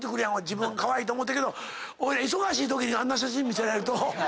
自分はカワイイと思ってるけどおいら忙しいときにあんな写真見せられると。